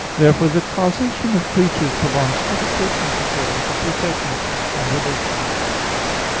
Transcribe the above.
Therefore the causation of creatures belongs to the Persons according to processions and relations.